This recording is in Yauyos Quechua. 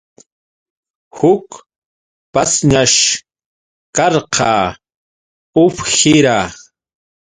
Huk pashñash karqa uwihira.